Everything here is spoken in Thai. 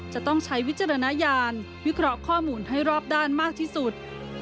จะต้องใช้วิจารณญาณวิเคราะห์ข้อมูลให้รอบด้านมากที่สุด